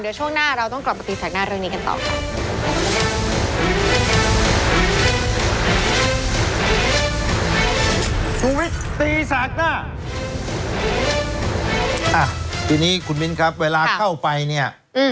เดี๋ยวช่วงหน้าเราต้องกลับมาตีแสกหน้าเรื่องนี้กันต่อค่ะ